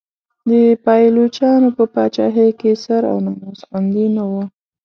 د پایلوچانو په پاچاهۍ کې سر او ناموس خوندي نه و.